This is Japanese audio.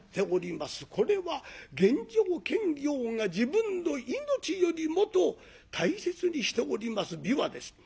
これは玄城検校が自分の命よりもと大切にしております琵琶です。